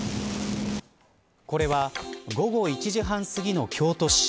これは午後１時半すぎの京都市。